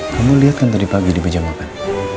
kamu liat kan tadi pagi di pejam makan